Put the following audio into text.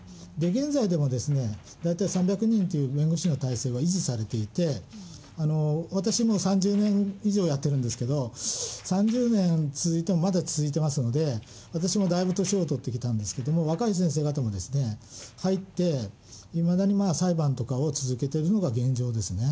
現在でも、大体３００人という弁護士の態勢は維持されていて、私も３０年以上やってるんですけれども、３０年続いてもまだ続いてますんで、私もだいぶ年を取ってきたんですけれども、若い先生方も入って、いまだに裁判とかを続けてるのが現状ですね。